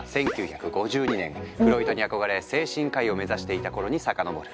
フロイトに憧れ精神科医を目指していた頃に遡る。